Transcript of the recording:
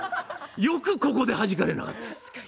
よくここではじかれなかった。